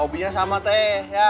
hobinya sama teteh